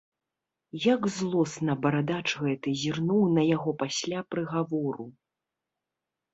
Як злосна барадач гэты зірнуў на яго пасля прыгавору.